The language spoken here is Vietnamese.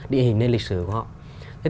định hình lên lịch sử của họ